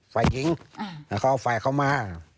ฝ่ายหญิงเขาเอาฝ่ายเข้ามา